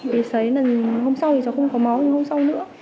vì sấy lần hôm sau thì cháu không có máu nhưng hôm sau nữa